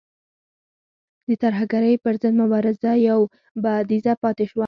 د ترهګرۍ پر ضد مبارزه یو بعدیزه پاتې شوه.